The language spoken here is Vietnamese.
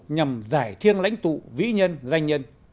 nhằm giải thiêng lãnh tụ vĩ nhân danh nhân